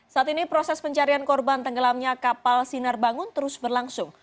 saat ini proses pencarian korban tenggelamnya kapal sinar bangun terus berlangsung